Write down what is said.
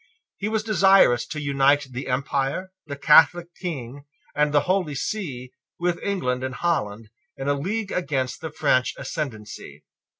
He was desirous to unite the Empire, the Catholic King, and the Holy See, with England and Holland, in a league against the French ascendency.